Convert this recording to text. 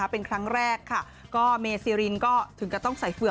เป็นครั้งแรกค่ะก็เมซีรินก็ถึงกับต้องใส่เฟือก